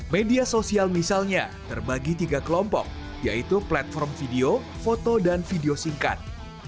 media sosial misalnya terbagi tiga kelompok yaitu platform video foto dan video singkat